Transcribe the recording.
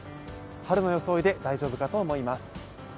春の装いで大丈夫かと思います。